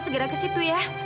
segera ke situ ya